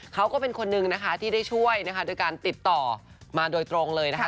เขาก็เป็นคนนึงนะคะที่ได้ช่วยนะคะโดยการติดต่อมาโดยตรงเลยนะคะ